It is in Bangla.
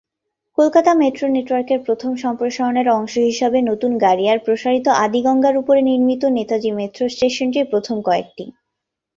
কলকাতা মেট্রোর নেটওয়ার্কের প্রথম সম্প্রসারণের অংশ হিসাবে নতুন গারিয়ায় প্রসারিত আদি গঙ্গার উপরে নির্মিত নেতাজি মেট্রো স্টেশনটি প্রথম কয়েকটি।